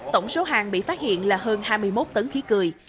tổng số hàng bị phát hiện là hơn hai mươi một tấn khí cười